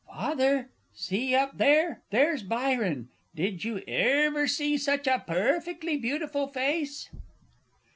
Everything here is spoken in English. Father, see up there; there's Byron. Did you erver see such a purrfectly beautiful face?